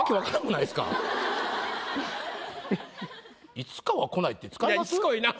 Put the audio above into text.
「いつかは来ない」って使います？